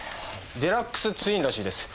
デラックスツインらしいです。